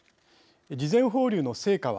事前放流の成果は。